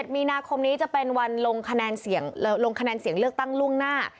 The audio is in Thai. ๑๗มีนาคมนี้จะเป็นวันลงคะแนนเสียงลงคะแนนเสียงเลือกตั้งล่วงหน้า